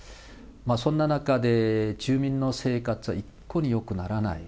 そんな中で、住民の生活は一向によくならない。